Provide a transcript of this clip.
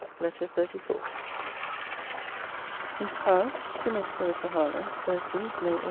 LETTER XXXIV MISS HOWE, TO MISS CLARISSA HARLOWE THURSDAY, MAY 18.